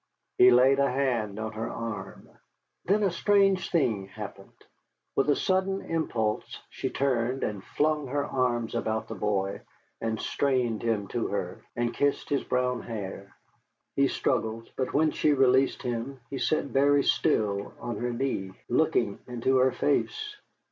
He laid a hand on her arm. Then a strange thing happened. With a sudden impulse she turned and flung her arms about the boy and strained him to her, and kissed his brown hair. He struggled, but when she released him he sat very still on her knee, looking into her face.